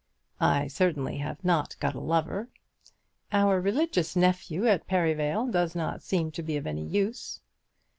"I certainly have not got a lover." "Our religious nephew at Perivale does not seem to be of any use."